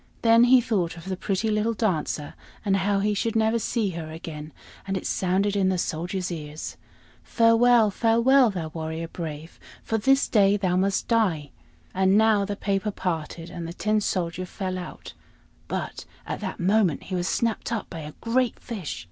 Then he thought of the pretty little Dancer, and how he should never see her again; and it sounded in the Soldier's ears: "Farewell, farewell, thou warrior brave, For this day thou must die!" And now the paper parted, and the Tin Soldier fell out; but at that moment he was snapped up by a great fish.